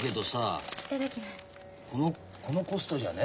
このコストじゃね